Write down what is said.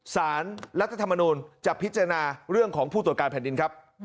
สารรัฐธรรมนูลจะพิจารณาเรื่องของผู้ตรวจการแผ่นดินครับ